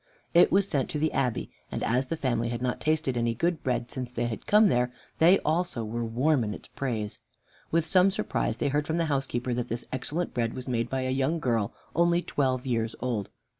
It was sent to the Abbey, and as the family had not tasted any good bread since they had come there, they also were warm in its praise. With some surprise, they heard from the housekeeper that this excellent bread was made by a young girl only twelve years old.